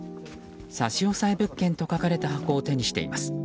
差し押さえ物件と書かれた箱を手にしています。